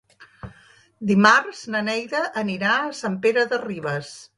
Dimarts na Neida anirà a Sant Pere de Ribes.